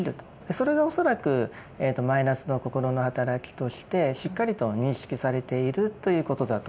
それが恐らくマイナスの心の働きとしてしっかりと認識されているということだと思います。